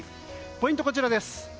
ポイントはこちらです。